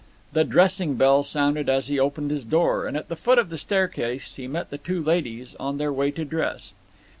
The dressing bell sounded as he opened his door, and at the foot of the staircase he met the two ladies on their way to dress.